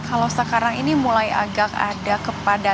kalau sekarang ini mulai agak ada kepadatan